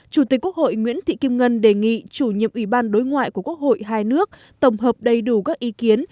chủ tịch quốc hội nguyễn thị kim ngân đề nghị chủ nhiệm ủy ban đối ngoại của quốc hội hai nước tổng hợp đầy đủ các ý kiến